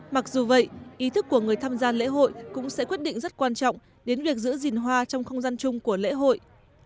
mặc dù vậy ý thức của người tham gia lễ hội cũng sẽ quyết định rất quan trọng đến việc giữ gìn hoa trong không gian chung của lễ hội